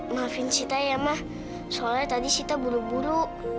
maafin sita ya mah soalnya tadi sita buru buru